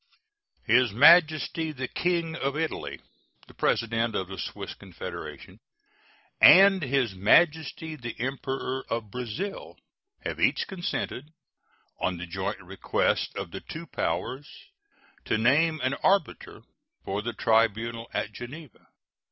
His Majesty the King of Italy, the President of the Swiss Confederation, and His Majesty the Emperor of Brazil have each consented, on the joint request of the two powers, to name an arbiter for the tribunal at Geneva.